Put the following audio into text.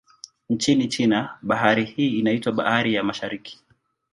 Nchini China, bahari hii inaitwa Bahari ya Mashariki.